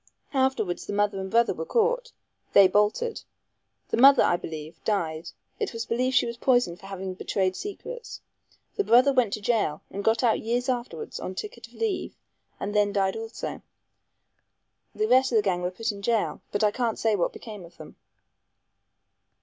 Afterwards the mother and brother were caught. They bolted. The mother, I believe, died it was believed she was poisoned for having betrayed secrets. The brother went to jail, got out years afterwards on ticket of leave, and then died also. The rest of the gang were put in jail, but I can't say what became of them."